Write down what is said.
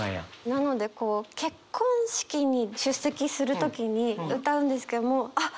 なのでこう結婚式に出席する時に歌うんですけどあっ